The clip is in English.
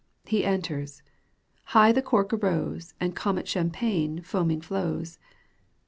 ^ He enters. High the cork arose And Comet champagne foaming flows.